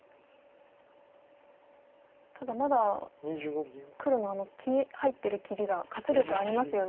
ただまだ黒の入ってる切りが活力ありますよね。